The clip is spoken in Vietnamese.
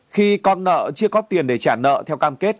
khi con nợ chưa có tiền để trả nợ theo cam kết